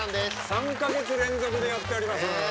３か月連続でやっております。